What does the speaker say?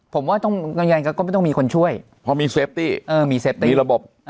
ผมว่าต้องก็ไม่ต้องมีคนช่วยเพราะมีเซฟตี้มีระบบ